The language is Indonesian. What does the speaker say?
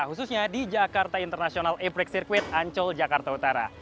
khususnya di jakarta international e prix circuit ancol jakarta utara